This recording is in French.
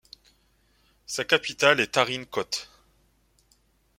Sa capitale est Tarin Kôt.